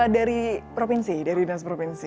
dari provinsi dari dinas provinsi